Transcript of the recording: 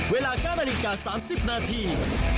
เวลาการอีกกัน๓๐นาที